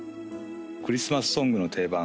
クリスマスソングの定番